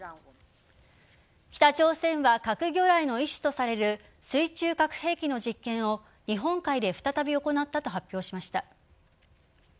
北朝鮮は核魚雷の一種とされる水中核兵器の実験を日本海で再び行ったと発表しました。